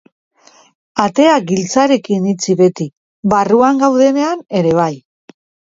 Atea giltzarekin itxi beti, barruan gaudenean ere bai.